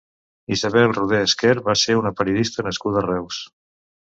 Isabel Rodés Quer va ser una periodista nascuda a Reus.